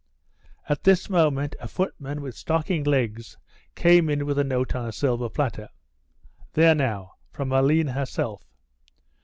At this moment a footman with stockinged legs came in with a note on a silver platter. "There now, from Aline herself.